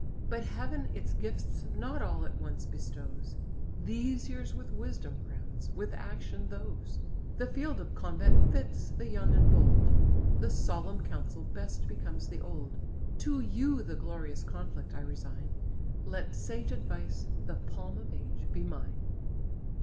But heaven its gifts not all at once bestows, These years with wisdom crowns, with action those: The field of combat fits the young and bold, The solemn council best becomes the old: To you the glorious conflict I resign, Let sage advice, the palm of age, be mine."